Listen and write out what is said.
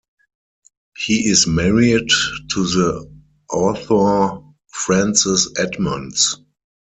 He is married to the author Frances Edmonds.